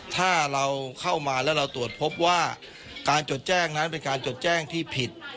ถ้าเราเข้ามาแล้วเราตรวจพบว่าการจดแจ้งนั้นเป็นการจดแจ้งที่ผิด